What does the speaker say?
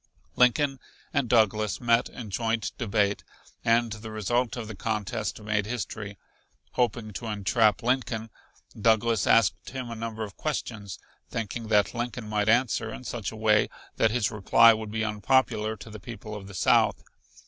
Lincoln and Douglas met in joint debate, and the result of the contest made history. Hoping to entrap Lincoln, Douglas asked him a number of questions, thinking that Lincoln might answer in such a way that his reply would be unpopular to the people of the South.